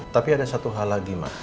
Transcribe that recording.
tapi ada satu hal lagi mas